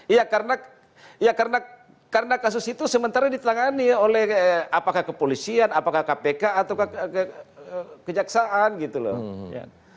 iya karena ya karena kasus itu sementara ditangani oleh apakah kepolisian apakah kpk atau kejaksaan gitu loh